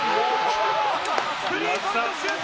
スリーポイントシュート。